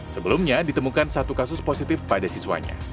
sebelumnya ditemukan satu kasus positif pada siswanya